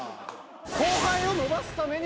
後輩を伸ばすために。